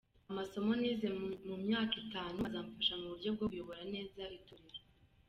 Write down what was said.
Amasomo nize mu myaka itanu azamfasha mu buryo bwo kuyobora.neza itorero.